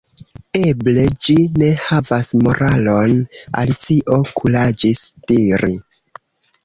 "Eble ĝi ne havas moralon," Alicio kuraĝis diri.